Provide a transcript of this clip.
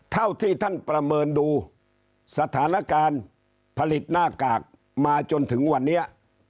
เท่าที่ท่านประเมินดูสถานการณ์ผลิตหน้ากากมาจนถึงวันนี้